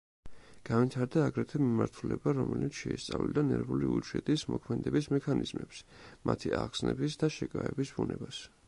განვითარდა, აგრეთვე, მიმართულება, რომელიც შეისწავლიდა ნერვული უჯრედის მოქმედების მექანიზმებს, მათი აღგზნების და შეკავების ბუნებას.